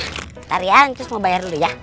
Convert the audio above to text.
bentar ya ncus mau bayar dulu ya